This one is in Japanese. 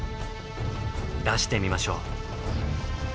出してみましょう。